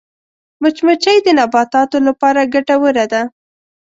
مچمچۍ د نباتاتو لپاره ګټوره ده